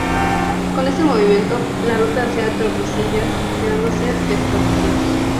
Con este movimiento, la ruta hacia Tordesillas quedaba desprotegida.